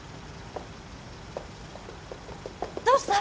どうした？